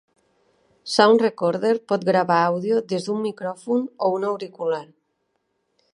Sound Recorder pot gravar àudio des d'un micròfon o un auricular.